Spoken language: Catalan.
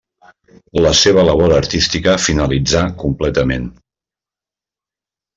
La seva labor artística finalitzà completament.